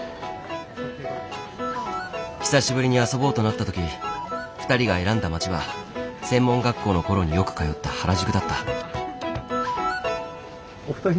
久しぶりに遊ぼうとなったとき２人が選んだ街は専門学校のころによく通った原宿だった。